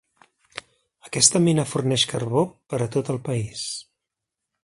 Aquesta mina forneix carbó per a tot el país.